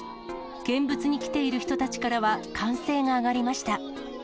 見物に来ている人たちからは歓声が上がりました。